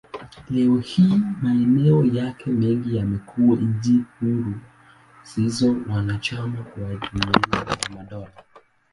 Leo hii, maeneo yake mengi yamekuwa nchi huru zilizo wanachama wa Jumuiya ya Madola.